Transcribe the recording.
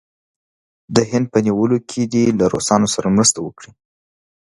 د هند په نیولو کې دې له روسانو سره مرسته وکړي.